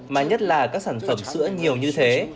mà nhất là các sản phẩm sữa nhiều như thế